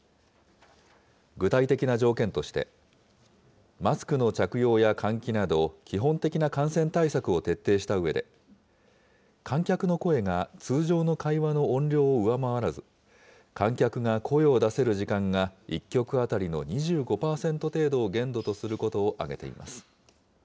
具体的な条件として、マスクの着用や換気など、基本的な感染対策を徹底したうえで、観客の声が通常の会話の音量を上回らず、観客が声を出せる時間が１曲当たりの２５％程度を限度とすることを挙げています。